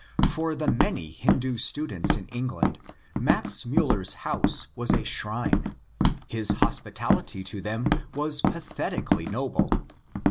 For the many Hindu students in England Max Miiller's house was a shrine. His hospitality to them was pathetically noble.